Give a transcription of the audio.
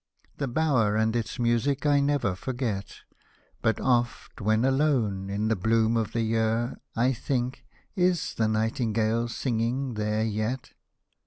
That bower and its music I never forget. But oft when alone, in the bloom of the year, I think — is the nightingale sifiging there yet